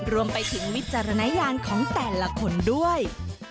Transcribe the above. รวมไปถึงวิจารณญาณของแต่ละคนด้วย